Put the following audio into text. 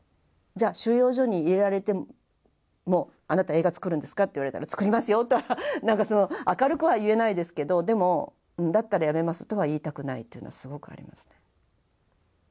じゃあ収容所に入れられても「あなた映画作るんですか」って言われたら「作りますよ」とは明るくは言えないですけどでも「だったらやめます」とは言いたくないっていうのはすごくありますね。